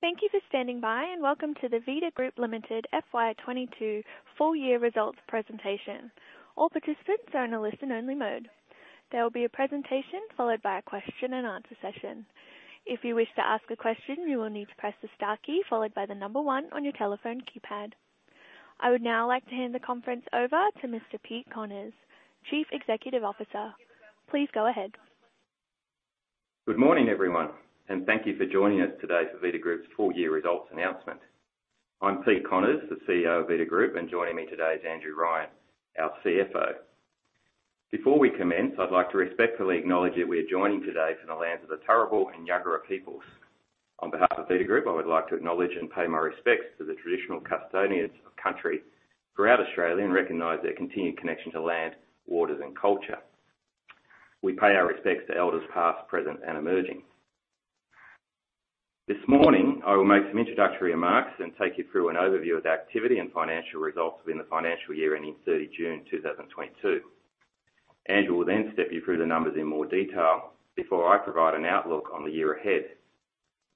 Thank you for standing by, and welcome to the Vita Group Limited FY22 full year results presentation. All participants are in a listen only mode. There will be a presentation followed by a question and answer session. If you wish to ask a question, you will need to press the star key followed by the number one on your telephone keypad. I would now like to hand the conference over to Mr. Peter Connors, Chief Executive Officer. Please go ahead. Good morning, everyone, and thank you for joining us today for Vita Group's full year results announcement. I'm Peter Connors, the CEO of Vita Group, and joining me today is Andrew Ryan, our CFO. Before we commence, I'd like to respectfully acknowledge that we are joining today from the lands of the Turrbal and Jagera peoples. On behalf of Vita Group, I would like to acknowledge and pay my respects to the traditional custodians of country throughout Australia and recognize their continued connection to land, waters and culture. We pay our respects to elders past, present, and emerging. This morning I will make some introductory remarks and take you through an overview of the activity and financial results within the financial year ending 30 June 2022. Andrew will then step you through the numbers in more detail before I provide an outlook on the year ahead.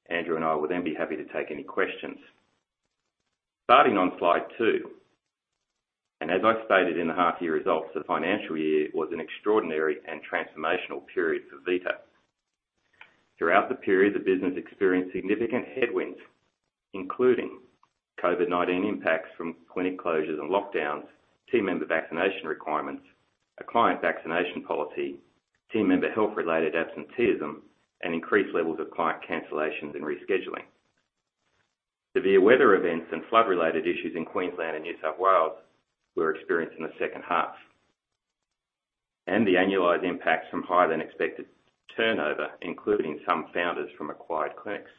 Andrew and I will then be happy to take any questions. Starting on slide 2, as I stated in the half year results, the financial year was an extraordinary and transformational period for Vita. Throughout the period, the business experienced significant headwinds, including COVID-19 impacts from clinic closures and lockdowns, team member vaccination requirements, a client vaccination policy, team member health-related absenteeism, and increased levels of client cancellations and rescheduling. Severe weather events and flood-related issues in Queensland and New South Wales were experienced in the second half. The annualized impacts from higher than expected turnover, including some founders from acquired clinics.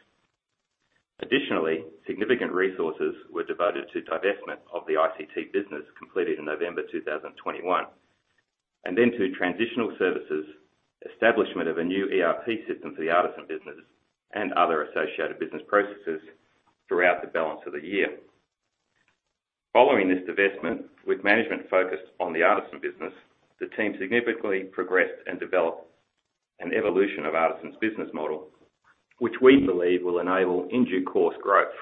Additionally, significant resources were devoted to divestment of the ICT business completed in November 2021, and then to transitional services, establishment of a new ERP system for the Artisan business and other associated business processes throughout the balance of the year. Following this divestment, with management focused on the Artisan business, the team significantly progressed and developed an evolution of Artisan's business model, which we believe will enable in due course growth.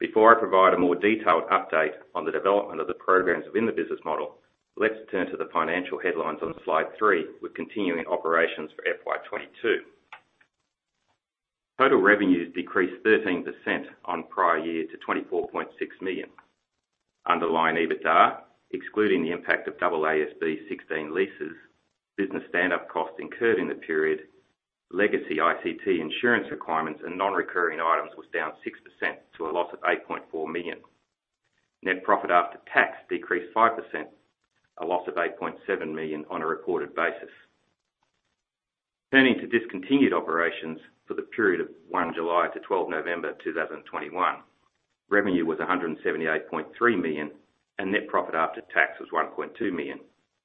Before I provide a more detailed update on the development of the programs within the business model, let's turn to the financial headlines on slide 3 with continuing operations for FY22. Total revenues decreased 13% on prior year to 24.6 million. Underlying EBITDA, excluding the impact of AASB 16 leases, business stand up costs incurred in the period, legacy ICT insurance requirements and non-recurring items was down 6% to a loss of 8.4 million. Net profit after tax decreased 5%, a loss of 8.7 million on a reported basis. Turning to discontinued operations for the period of 1 July to 12 November 2021. Revenue was 178.3 million, and net profit after tax was 1.2 million,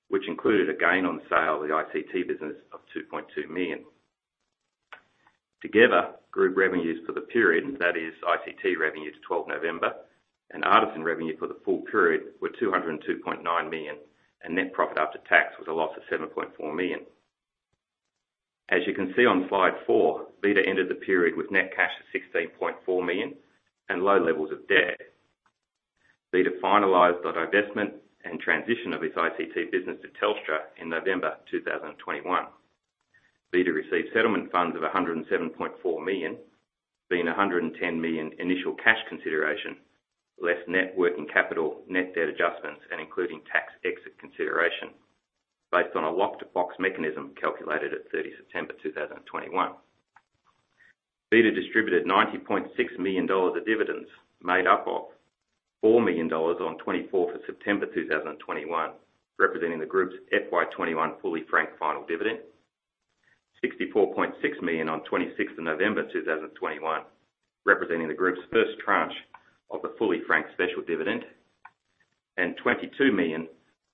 which included a gain on the sale of the ICT business of 2.2 million. Together, group revenues for the period, that is ICT revenue to 12 November and Artisan revenue for the full period, were 202.9 million, and net profit after tax was a loss of 7.4 million. As you can see on slide 4, Vita ended the period with net cash of 16.4 million and low levels of debt. Vita finalized the divestment and transition of its ICT business to Telstra in November 2021. Vita received settlement funds of 107.4 million, being 110 million initial cash consideration, less net working capital, net debt adjustments and including tax exit consideration based on a locked box mechanism calculated at 30 September 2021. Vita distributed 90.6 million dollars of dividends made up of 4 million dollars on 24th September 2021, representing the group's FY21 fully franked final dividend. 64.6 million on 26th November 2021, representing the group's first tranche of the fully franked special dividend. 22 million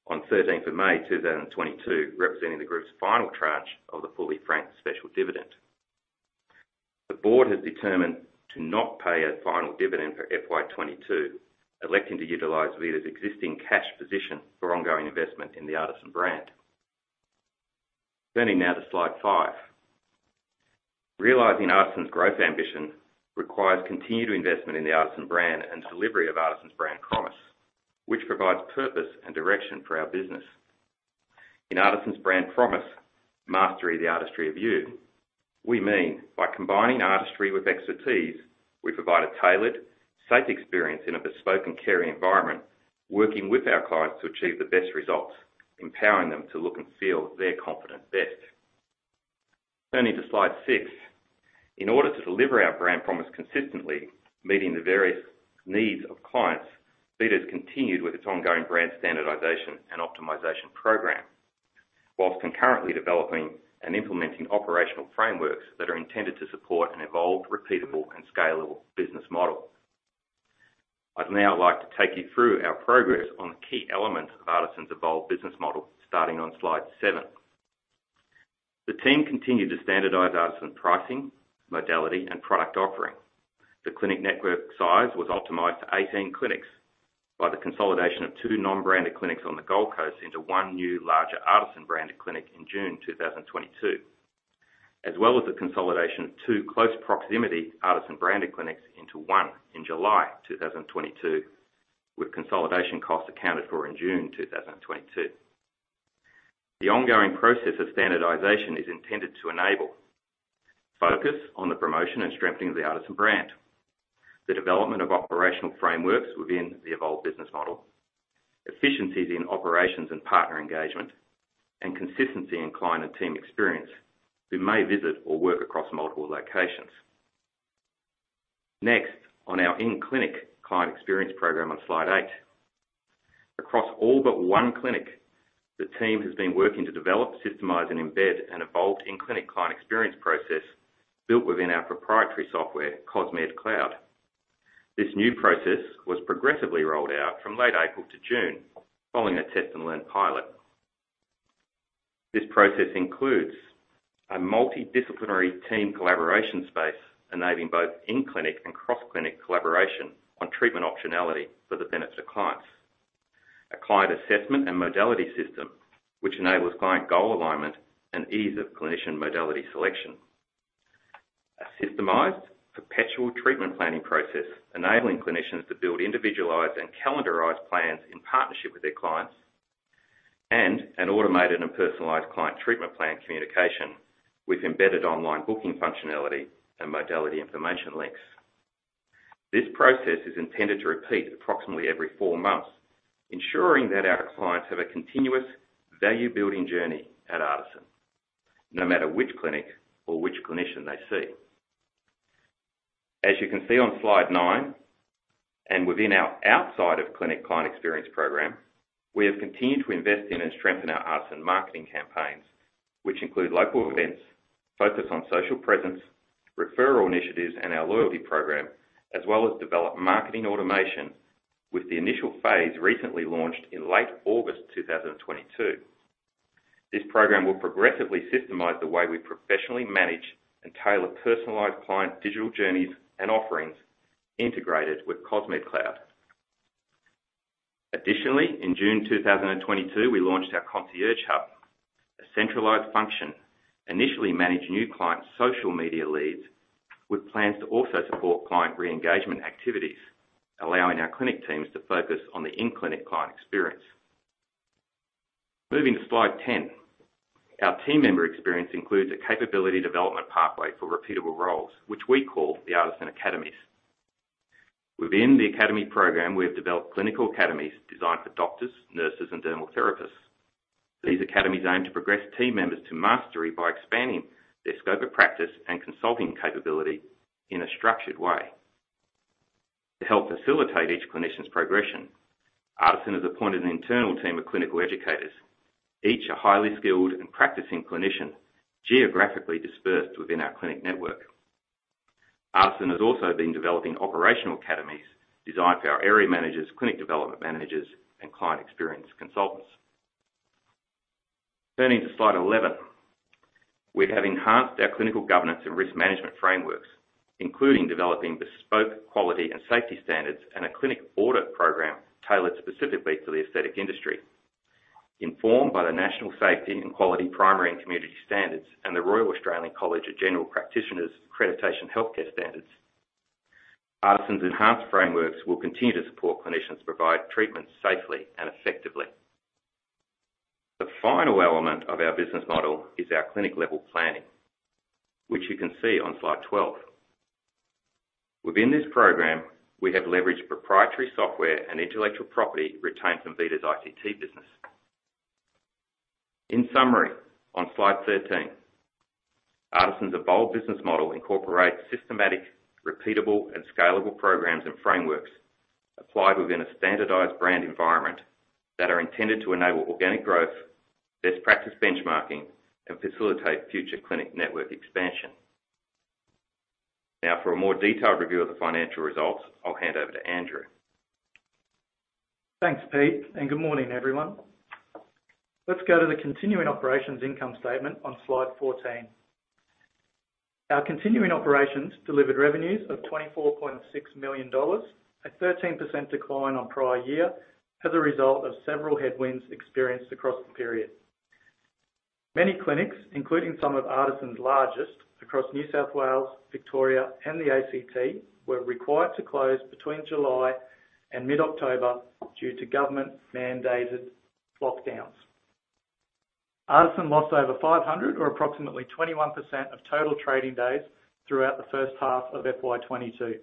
on 13th May 2022, representing the group's final tranche of the fully franked special dividend. The board has determined to not pay a final dividend for FY22, electing to utilize Vita's existing cash position for ongoing investment in the Artisan brand. Turning now to slide 5. Realizing Artisan's growth ambition requires continued investment in the Artisan brand and delivery of Artisan's brand promise, which provides purpose and direction for our business. In Artisan's brand promise, mastery, the artistry of you, we mean by combining artistry with expertise, we provide a tailored, safe experience in a bespoke and caring environment, working with our clients to achieve the best results, empowering them to look and feel their confident best. Turning to slide 6. In order to deliver our brand promise consistently, meeting the various needs of clients, Vita's continued with its ongoing brand standardization and optimization program, whilst concurrently developing and implementing operational frameworks that are intended to support an evolved, repeatable and scalable business model. I'd now like to take you through our progress on the key elements of Artisan's evolved business model, starting on slide 7. The team continued to standardize Artisan pricing, modality and product offering. The clinic network size was optimized to 18 clinics by the consolidation of 2 non-branded clinics on the Gold Coast into 1 new larger Artisan branded clinic in June 2022. As well as the consolidation of 2 close proximity Artisan branded clinics into 1 in July 2022, with consolidation costs accounted for in June 2022. The ongoing process of standardization is intended to enable focus on the promotion and strengthening of the Artisan brand, the development of operational frameworks within the evolved business model, efficiencies in operations and partner engagement, and consistency in client and team experience who may visit or work across multiple locations. Next, on our in-clinic client experience program on slide 8. Across all but one clinic, the team has been working to develop, systemize, and embed an evolved in-clinic client experience process built within our proprietary software, Cosmedcloud. This new process was progressively rolled out from late April to June, following a test and learn pilot. This process includes a multidisciplinary team collaboration space, enabling both in-clinic and cross-clinic collaboration on treatment optionality for the benefit of clients. A client assessment and modality system, which enables client goal alignment and ease of clinician modality selection. A systemized perpetual treatment planning process, enabling clinicians to build individualized and calendarized plans in partnership with their clients. And an automated and personalized client treatment plan communication with embedded online booking functionality and modality information links. This process is intended to repeat approximately every four months, ensuring that our clients have a continuous value-building journey at Artisan, no matter which clinic or which clinician they see. As you can see on slide nine, and within our outside of clinic client experience program, we have continued to invest in and strengthen our Artisan marketing campaigns, which include local events, focus on social presence, referral initiatives, and our loyalty program, as well as develop marketing automation with the initial phase recently launched in late August 2022. This program will progressively systemize the way we professionally manage and tailor personalized client digital journeys and offerings integrated with Cosmedcloud. Additionally, in June 2022, we launched our concierge hub, a centralized function, initially manage new client social media leads, with plans to also support client re-engagement activities, allowing our clinic teams to focus on the in-clinic client experience. Moving to slide 10. Our team member experience includes a capability development pathway for repeatable roles, which we call the Artisan Academies. Within the academy program, we have developed clinical academies designed for doctors, nurses, and dermal therapists. These academies aim to progress team members to mastery by expanding their scope of practice and consulting capability in a structured way. To help facilitate each clinician's progression, Artisan has appointed an internal team of clinical educators, each a highly skilled and practicing clinician, geographically dispersed within our clinic network. Artisan has also been developing operational academies designed for our area managers, clinic development managers, and client experience consultants. Turning to slide 11. We have enhanced our clinical governance and risk management frameworks, including developing bespoke quality and safety standards, and a clinic audit program tailored specifically for the aesthetic industry. Informed by the National Safety and Quality Primary and Community Healthcare Standards and the Royal Australian College of General Practitioners Accreditation Healthcare Standards. Artisan's enhanced frameworks will continue to support clinicians provide treatments safely and effectively. The final element of our business model is our clinic-level planning, which you can see on slide 12. Within this program, we have leveraged proprietary software and intellectual property retained from Vita's ICT business. In summary, on slide 13, Artisan's evolved business model incorporates systematic, repeatable, and scalable programs and frameworks applied within a standardized brand environment that are intended to enable organic growth, best practice benchmarking, and facilitate future clinic network expansion. Now, for a more detailed review of the financial results, I'll hand over to Andrew. Thanks, Peter, and good morning, everyone. Let's go to the continuing operations income statement on slide 14. Our continuing operations delivered revenues of 24.6 million dollars, a 13% decline on prior year as a result of several headwinds experienced across the period. Many clinics, including some of Artisan's largest across New South Wales, Victoria, and the ACT, were required to close between July and mid-October due to government-mandated lockdowns. Artisan lost over 500 or approximately 21% of total trading days throughout the first half of FY22.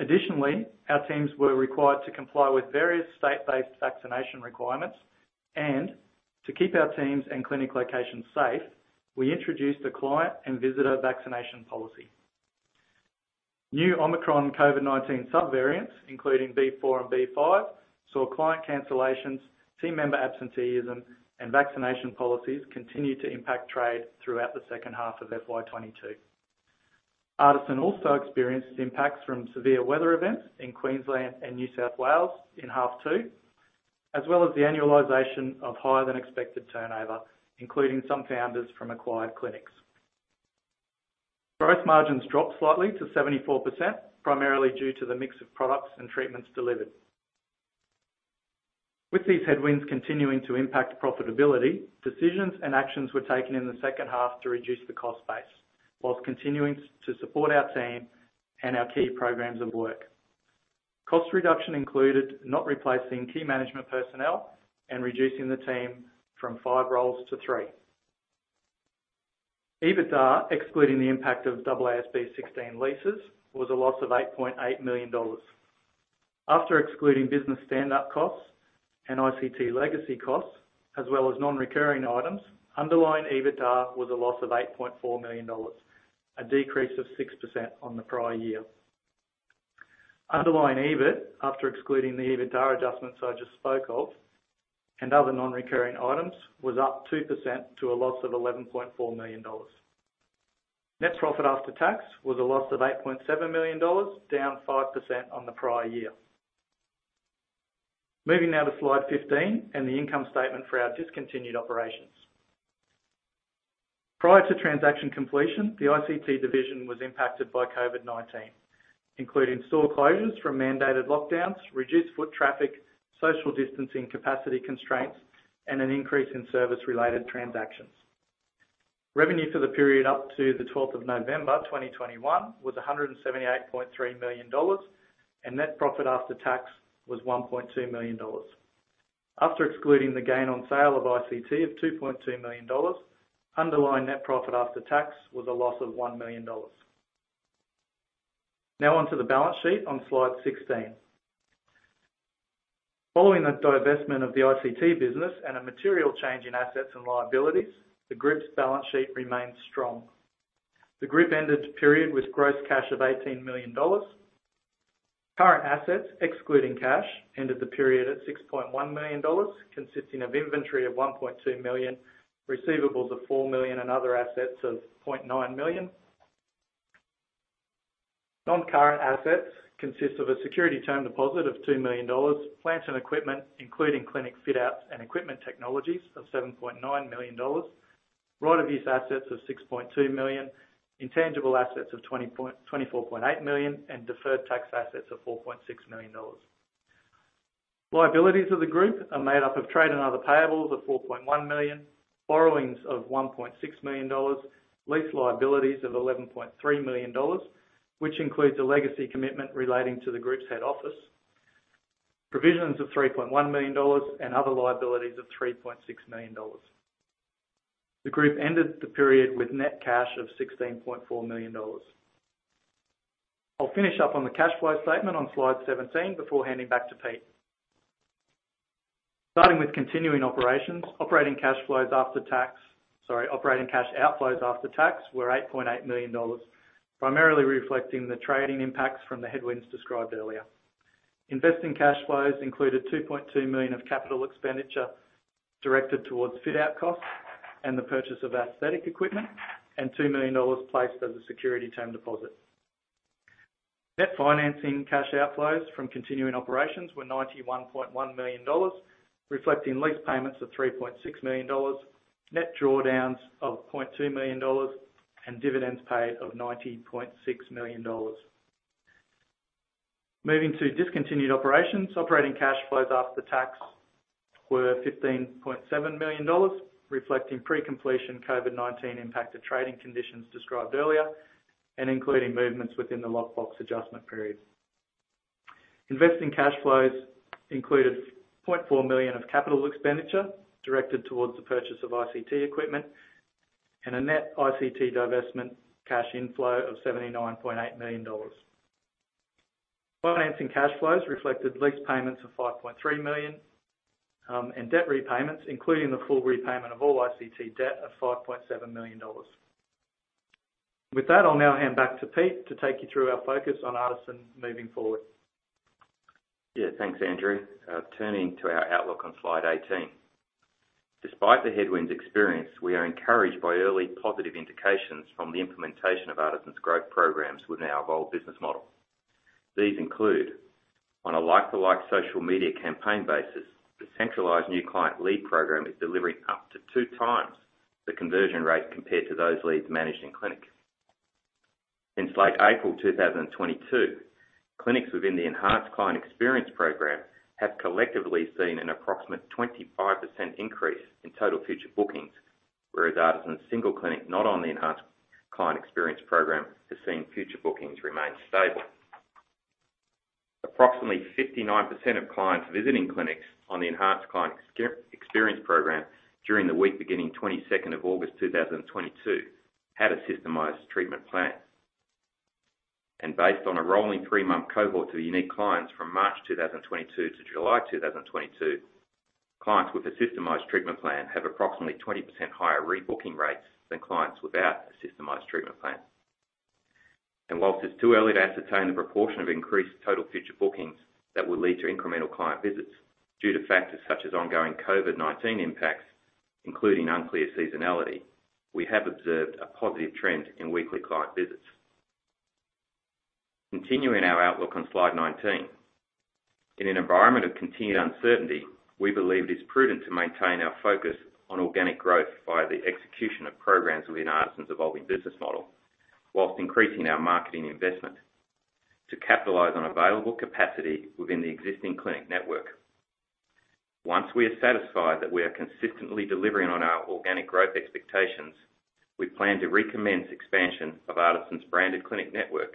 Additionally, our teams were required to comply with various state-based vaccination requirements, and to keep our teams and clinic locations safe, we introduced a client and visitor vaccination policy. New Omicron COVID-19 subvariants, including B4 and B5, saw client cancellations, team member absenteeism, and vaccination policies continue to impact trade throughout the second half of FY22. Artisan also experienced impacts from severe weather events in Queensland and New South Wales in half two, as well as the annualization of higher than expected turnover, including some founders from acquired clinics. Gross margins dropped slightly to 74%, primarily due to the mix of products and treatments delivered. With these headwinds continuing to impact profitability, decisions and actions were taken in the second half to reduce the cost base, while continuing to support our team and our key programs of work. Cost reduction included not replacing key management personnel and reducing the team from 5 roles to 3. EBITDA, excluding the impact of AASB 16 leases, was a loss of 8.8 million dollars. After excluding business standup costs and ICT legacy costs, as well as non-recurring items, underlying EBITDA was a loss of 8.4 million dollars, a decrease of 6% on the prior year. Underlying EBIT, after excluding the EBITDA adjustments I just spoke of and other non-recurring items, was up 2% to a loss of 11.4 million dollars. Net profit after tax was a loss of 8.7 million dollars, down 5% on the prior year. Moving now to slide 15 and the income statement for our discontinued operations. Prior to transaction completion, the ICT division was impacted by COVID-19, including store closures from mandated lockdowns, reduced foot traffic, social distancing capacity constraints, and an increase in service-related transactions. Revenue for the period up to the twelfth of November 2021 was 178.3 million dollars, and net profit after tax was 1.2 million dollars. After excluding the gain on sale of ICT of 2.2 million dollars, underlying net profit after tax was a loss of 1 million dollars. Now on to the balance sheet on slide 16. Following the divestment of the ICT business and a material change in assets and liabilities, the group's balance sheet remains strong. The group ended the period with gross cash of 18 million dollars. Current assets, excluding cash, ended the period at 6.1 million dollars, consisting of inventory of 1.2 million, receivables of 4 million, and other assets of 0.9 million. Non-current assets consist of a security term deposit of 2 million dollars, plant and equipment, including clinic fit-outs and equipment technologies, of 7.9 million dollars, right of use assets of 6.2 million, intangible assets of 24.8 million, and deferred tax assets of 4.6 million dollars. Liabilities of the group are made up of trade and other payables of 4.1 million, borrowings of 1.6 million dollars, lease liabilities of 11.3 million dollars, which includes a legacy commitment relating to the group's head office, provisions of 3.1 million dollars, and other liabilities of 3.6 million dollars. The group ended the period with net cash of 16.4 million dollars. I'll finish up on the cash flow statement on slide 17 before handing back to Pete. Starting with continuing operations, operating cash outflows after tax were 8.8 million dollars, primarily reflecting the trading impacts from the headwinds described earlier. Investing cash flows included 2.2 million of capital expenditure directed towards fit-out costs and the purchase of aesthetic equipment, and 2 million dollars placed as a security term deposit. Net financing cash outflows from continuing operations were 91.1 million dollars, reflecting lease payments of 3.6 million dollars, net drawdowns of 0.2 million dollars, and dividends paid of 90.6 million dollars. Moving to discontinued operations. Operating cash flows after tax were 15.7 million dollars, reflecting pre-completion COVID-19 impacted trading conditions described earlier and including movements within the locked box adjustment period. Investing cash flows included 0.4 million of capital expenditure directed towards the purchase of ICT equipment and a net ICT divestment cash inflow of 79.8 million dollars. Financing cash flows reflected lease payments of 5.3 million and debt repayments, including the full repayment of all ICT debt of 5.7 million dollars. With that, I'll now hand back to Peter to take you through our focus on Artisan moving forward. Yeah, thanks, Andrew. Turning to our outlook on slide 18. Despite the headwinds experienced, we are encouraged by early positive indications from the implementation of Artisan's growth programs within our evolved business model. These include, on a like-for-like social media campaign basis, the centralized new client lead program is delivering up to 2 times the conversion rate compared to those leads managed in clinic. Since late April 2022, clinics within the enhanced client experience program have collectively seen an approximate 25% increase in total future bookings, whereas Artisan's single clinic not on the enhanced client experience program has seen future bookings remain stable. Approximately 59% of clients visiting clinics on the enhanced client experience program during the week beginning 22nd of August 2022 had a systemized treatment plan. Based on a rolling three-month cohort of unique clients from March 2022 to July 2022, clients with a systemized treatment plan have approximately 20% higher rebooking rates than clients without a systemized treatment plan. While it's too early to ascertain the proportion of increased total future bookings that will lead to incremental client visits due to factors such as ongoing COVID-19 impacts, including unclear seasonality, we have observed a positive trend in weekly client visits. Continuing our outlook on slide 19. In an environment of continued uncertainty, we believe it is prudent to maintain our focus on organic growth via the execution of programs within Artisan's evolving business model, while increasing our marketing investment to capitalize on available capacity within the existing clinic network. Once we are satisfied that we are consistently delivering on our organic growth expectations, we plan to recommence expansion of Artisan's branded clinic network,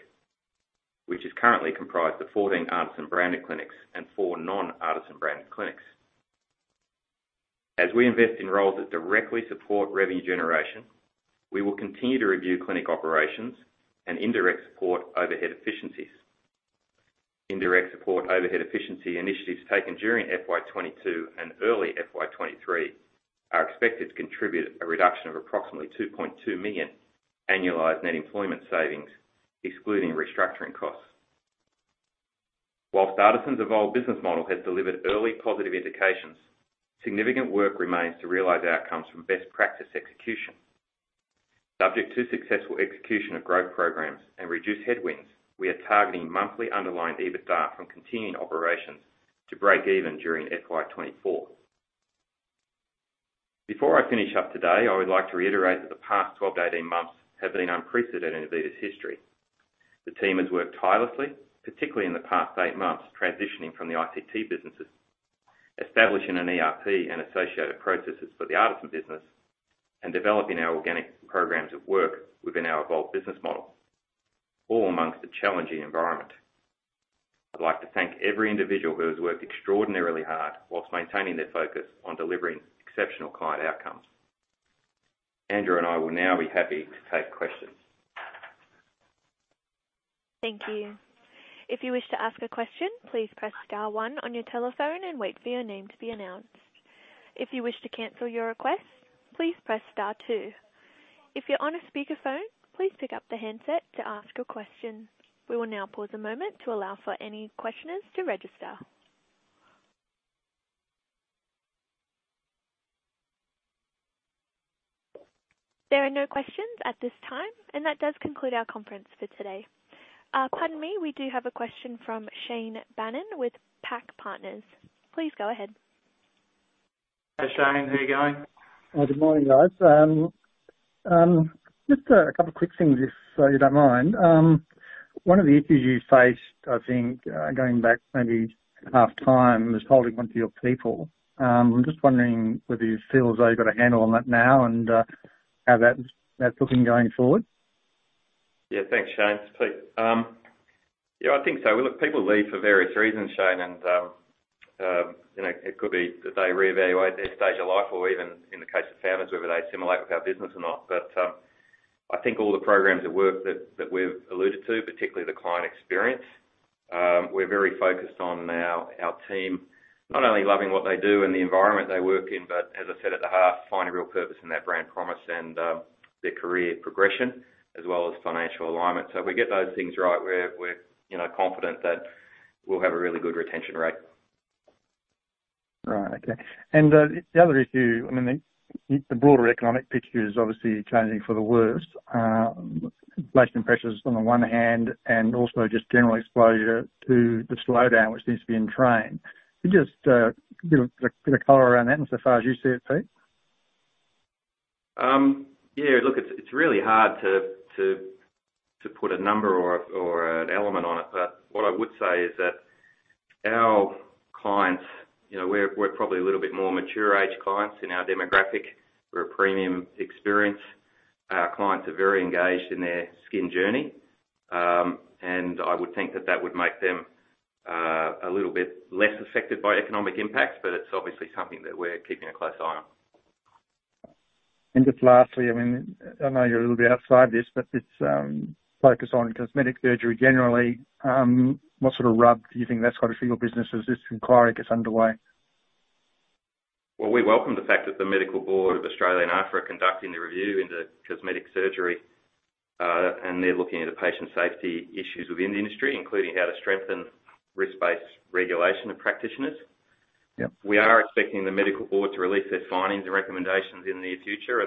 which is currently comprised of 14 Artisan branded clinics and 4 non-Artisan branded clinics. As we invest in roles that directly support revenue generation, we will continue to review clinic operations and indirect support overhead efficiencies. Indirect support overhead efficiency initiatives taken during FY22 and early FY23 are expected to contribute a reduction of approximately 2.2 million annualized net employment savings, excluding restructuring costs. While Artisan's evolved business model has delivered early positive indications, significant work remains to realize outcomes from best practice execution. Subject to successful execution of growth programs and reduced headwinds, we are targeting monthly underlying EBITDA from continuing operations to break even during FY24. Before I finish up today, I would like to reiterate that the past 12-18 months have been unprecedented in Vita's history. The team has worked tirelessly, particularly in the past 8 months, transitioning from the ICT businesses, establishing an ERP and associated processes for the Artisan business, and developing our organic programs of work within our evolved business model, all among a challenging environment. I'd like to thank every individual who has worked extraordinarily hard while maintaining their focus on delivering exceptional client outcomes. Andrew and I will now be happy to take questions. Thank you. If you wish to ask a question, please press star one on your telephone and wait for your name to be announced. If you wish to cancel your request, please press star two. If you're on a speakerphone, please pick up the handset to ask a question. We will now pause a moment to allow for any questioners to register. There are no questions at this time, and that does conclude our conference for today. Pardon me, we do have a question from Shane Bannan with PAC Partners. Please go ahead. Hey, Shane. How you going? Good morning, guys. Just a couple quick things, if you don't mind. One of the issues you faced, I think, going back maybe half time, is holding on to your people. I'm just wondering whether you feel as though you've got a handle on that now and how that's looking going forward. Yeah. Thanks, Shane. It's Peter. Yeah, I think so. Look, people leave for various reasons, Shane, and, you know, it could be that they reevaluate their stage of life or even, in the case of families, whether they assimilate with our business or not. I think all the programs at work that we've alluded to, particularly the client experience, we're very focused on now our team, not only loving what they do and the environment they work in, but as I said at the half, finding real purpose in that brand promise and, their career progression as well as financial alignment. If we get those things right, we're, you know, confident that we'll have a really good retention rate. Right. Okay. The other issue, I mean, the broader economic picture is obviously changing for the worse. Inflation pressures on the one hand and also just general exposure to the slowdown which needs to be contained. Can you just give a color around that insofar as you see it, Peter? Yeah, look, it's really hard to put a number or an element on it. What I would say is that our clients, you know, we're probably a little bit more mature age clients in our demographic. We're a premium experience. Our clients are very engaged in their skin journey. I would think that would make them a little bit less affected by economic impacts, but it's obviously something that we're keeping a close eye on. Just lastly, I mean, I know you're a little bit outside this, but it's focus on cosmetic surgery generally. What sort of rub do you think that's got it for your business as this inquiry gets underway? Well, we welcome the fact that the Medical Board of Australia and AHPRA are conducting a review into cosmetic surgery, and they're looking into patient safety issues within the industry, including how to strengthen risk-based regulation of practitioners. Yeah. We are expecting the Medical Board to release their findings and recommendations in the near future.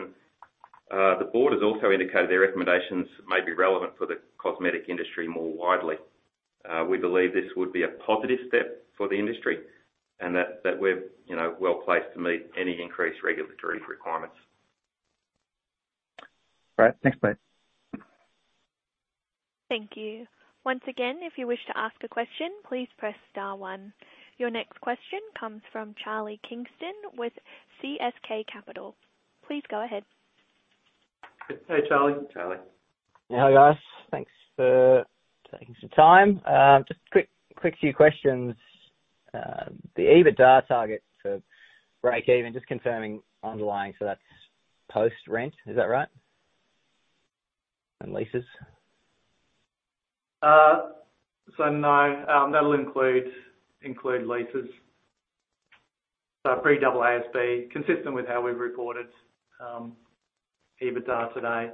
The board has also indicated their recommendations may be relevant for the cosmetic industry more widely. We believe this would be a positive step for the industry and that we're, you know, well-placed to meet any increased regulatory requirements. All right. Thanks, mate. Thank you. Once again, if you wish to ask a question, please press star one. Your next question comes from Charlie Kingston with CSK Capital. Please go ahead. Hey, Charlie. Charlie. How are you, guys? Thanks for taking some time. Just quick few questions. The EBITDA target for break even, just confirming underlying, so that's post-rent. Is that right? Leases? No. That'll include leases. Pre AASB 16, consistent with how we've reported EBITDA today.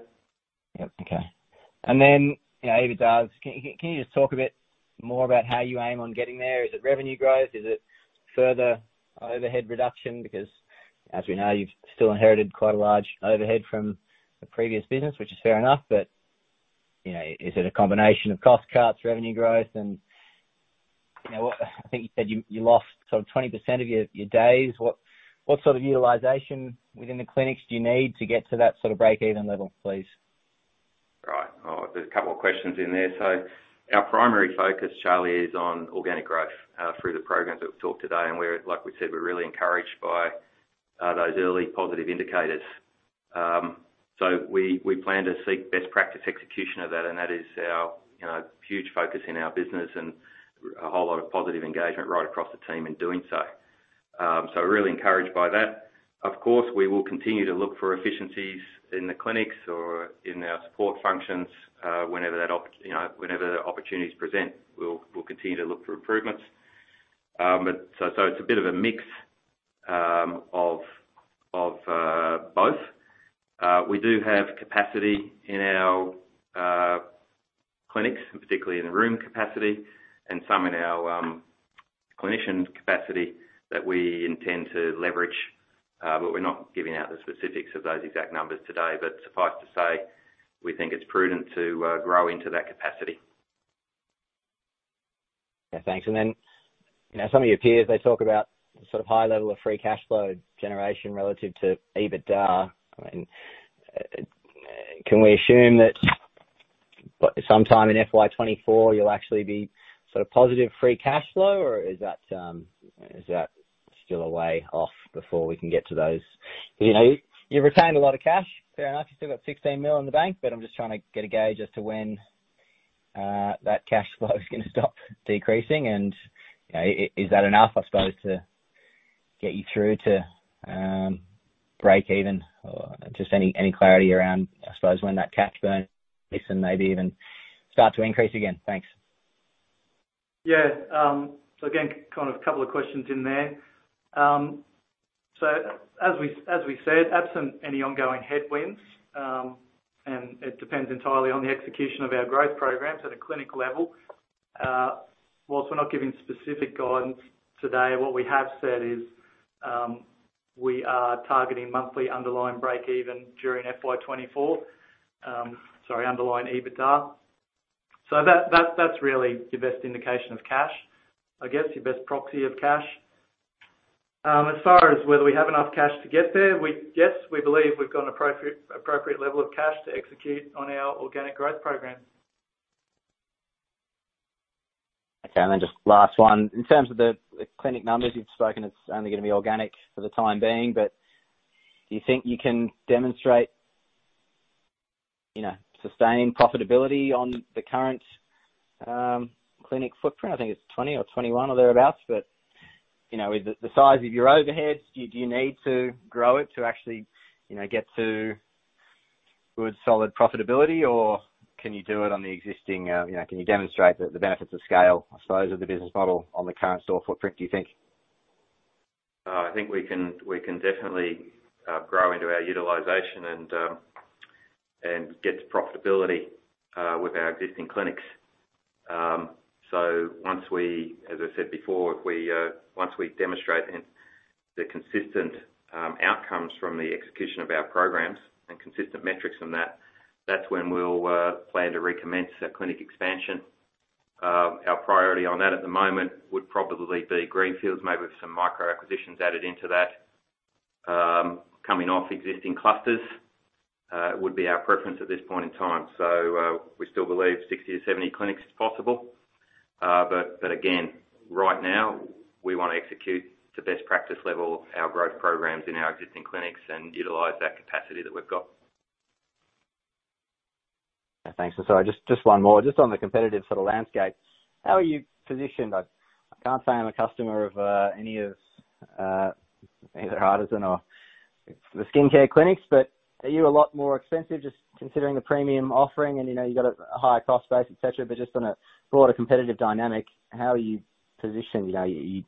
Yep. Okay. Then, you know, EBITDA, can you just talk a bit more about how you aim on getting there. Is it revenue growth? Is it further overhead reduction? Because as we know, you've still inherited quite a large overhead from the previous business, which is fair enough. You know, is it a combination of cost cuts, revenue growth? You know, I think you said you lost sort of 20% of your days. What sort of utilization within the clinics do you need to get to that sort of break-even level, please? Right. There's a couple of questions in there. Our primary focus, Charlie, is on organic growth through the programs that we've talked about today. Like we said, we're really encouraged by those early positive indicators. We plan to seek best practice execution of that, and that is our huge focus in our business and a whole lot of positive engagement right across the team in doing so. Really encouraged by that. Of course, we will continue to look for efficiencies in the clinics or in our support functions. Whenever the opportunities present, we'll continue to look for improvements. It's a bit of a mix of both. We do have capacity in our clinics, and particularly in the room capacity and some in our clinicians capacity that we intend to leverage, but we're not giving out the specifics of those exact numbers today. Suffice to say, we think it's prudent to grow into that capacity. Yeah, thanks. Then, you know, some of your peers, they talk about the sort of high level of free cash flow generation relative to EBITDA. I mean, can we assume that sometime in FY24 you'll actually be sort of positive free cash flow? Or is that, is that still a way off before we can get to those? You know, you've retained a lot of cash, fair enough. You still got 16 million in the bank, but I'm just trying to get a gauge as to when, that cash flow is gonna stop decreasing. You know, is that enough, I suppose, to get you through to, break even? Or just any clarity around, I suppose, when that cash burn lessen maybe even start to increase again? Thanks. Yeah. Again, kind of couple of questions in there. As we said, absent any ongoing headwinds, and it depends entirely on the execution of our growth programs at a clinic level. While we're not giving specific guidance today, what we have said is, we are targeting monthly underlying break-even during FY24. Sorry, underlying EBITDA. That's really your best indication of cash. I guess, your best proxy of cash. As far as whether we have enough cash to get there, yes, we believe we've got an appropriate level of cash to execute on our organic growth programs. Okay. Just last one. In terms of the clinic numbers you've spoken, it's only gonna be organic for the time being. Do you think you can demonstrate, you know, sustained profitability on the current clinic footprint? I think it's 20 or 21 or thereabout. You know, with the size of your overhead, do you need to grow it to actually, you know, get to good solid profitability? Or can you do it on the existing, you know, can you demonstrate the benefits of scale, I suppose, of the business model on the current store footprint, do you think? I think we can definitely grow into our utilization and get to profitability with our existing clinics. As I said before, once we demonstrate consistent outcomes from the execution of our programs and consistent metrics from that's when we'll plan to recommence the clinic expansion. Our priority on that at the moment would probably be greenfield. Maybe with some micro acquisitions added into that. Coming off existing clusters would be our preference at this point in time. We still believe 60-70 clinics is possible. But again, right now, we wanna execute to best practice level our growth programs in our existing clinics and utilize that capacity that we've got. Yeah. Thanks. Just one more. Just on the competitive sort of landscape, how are you positioned? I can't say I'm a customer of any of either Artisan or the skincare clinics. Are you a lot more expensive just considering the premium offering and, you know, you've got a higher cost base, et cetera, but just on a broader competitive dynamic, how are you positioned? Are you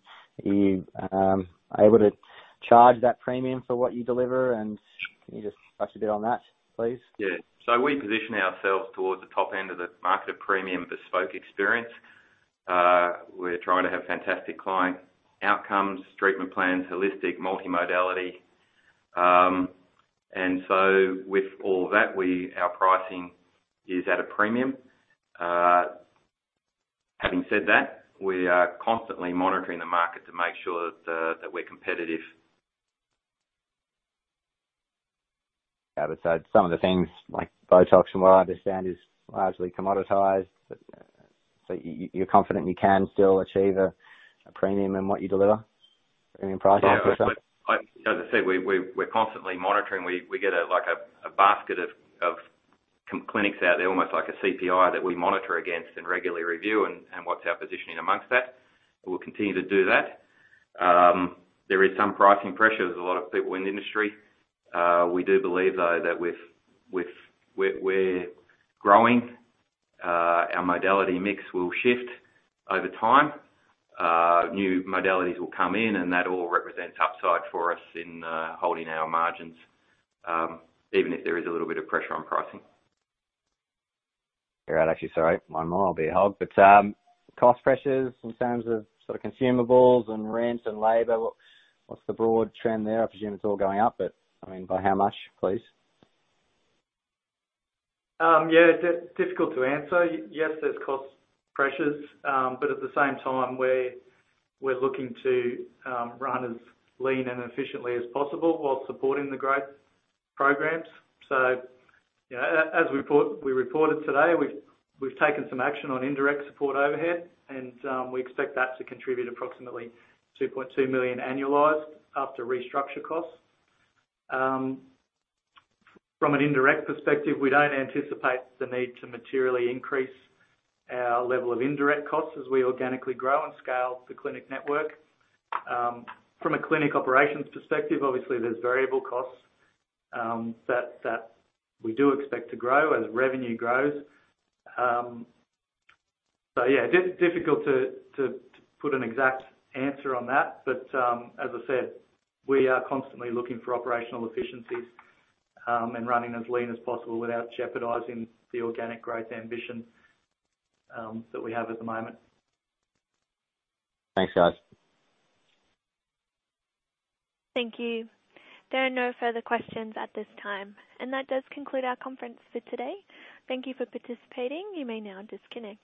able to charge that premium for what you deliver? Can you just touch a bit on that, please? Yeah. We position ourselves towards the top end of the market of premium bespoke experience. We're trying to have fantastic client outcomes, treatment plans, holistic multimodality. With all that, our pricing is at a premium. Having said that, we are constantly monitoring the market to make sure that we're competitive. Yeah. Some of the things like Botox from what I understand, is largely commoditized. You are confident you can still achieve a premium in what you deliver, premium pricing. Yeah. As I said, we're constantly monitoring. We get a, like a basket of clinics out there, almost like a CPI that we monitor against and regularly review and what's our positioning amongst that. We'll continue to do that. There is some pricing pressures. There's a lot of people in the industry. We do believe though that we're growing, our modality mix will shift over time. New modalities will come in, and that all represents upside for us in holding our margins, even if there is a little bit of pressure on pricing. All right. Actually, sorry, one more. I'll be a hog. But, cost pressures in terms of sort of consumables and rent and labor, what's the broad trend there? I presume it's all going up, but, I mean, by how much, please? Yeah, difficult to answer. Yes, there's cost pressures. At the same time we are looking to run as lean and efficiently as possible while supporting the growth programs. We reported today, we've taken some action on indirect support overhead, and we expect that to contribute approximately 2.2 million annualized after restructure costs. From an indirect perspective, we don't anticipate the need to materially increase our level of indirect costs as we organically grow and scale the clinic network. From a clinic operations perspective, obviously, there's variable costs that we do expect to grow as revenue grows. Difficult to put an exact answer on that. As I said, we are constantly looking for operational efficiencies and running as lean as possible without jeopardizing the organic growth ambition that we have at the moment. Thanks, guys. Thank you. There are no further questions at this time. That does conclude our conference for today. Thank you for participating. You may now disconnect.